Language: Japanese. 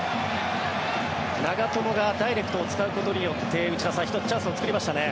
長友がダイレクトを使うことによって内田さん１つ、チャンスを作りましたね。